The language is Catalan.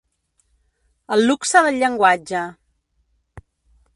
El luxe del llenguatge.